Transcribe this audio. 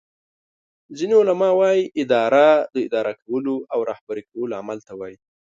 ځینی علما وایې اداره داداره کولو او رهبری کولو عمل ته وایي